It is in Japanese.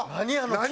何？